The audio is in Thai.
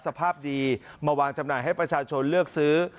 สภาพดีมาวางจำหน่ายให้ประชาชนเลือกซื้อ